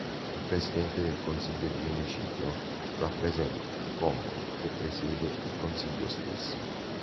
Il Presidente del consiglio di municipio rappresenta, convoca e presiede il Consiglio stesso.